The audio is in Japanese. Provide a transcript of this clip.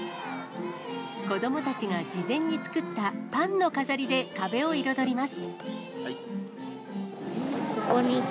子どもたちが事前に作ったパンの飾りで壁を彩ります。